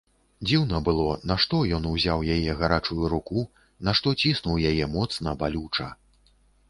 Дзіўна было, нашто ён узяў яе гарачую руку, нашто ціснуў яе моцна, балюча.